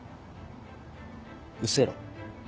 うせろ。